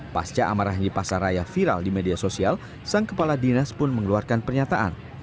pasca amarahnya di pasaraya viral di media sosial sang kepala dinas pun mengeluarkan pernyataan